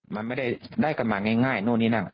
มันไม่ได้กันมาง่ายพบมากเพราะว่า